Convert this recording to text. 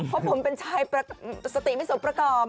เพราะผมเป็นชายสติไม่สมประกอบ